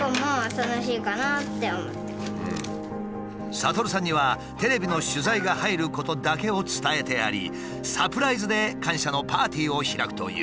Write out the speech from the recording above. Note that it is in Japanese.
悟さんにはテレビの取材が入ることだけを伝えてありサプライズで感謝のパーティーを開くという。